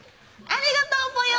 ありがとうぽよ！